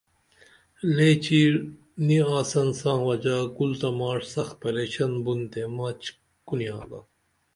لے چیر نی آڅن ساں وجہ کُل تہ ماڜ سخ پریشن بُن تے مچ کونی آگا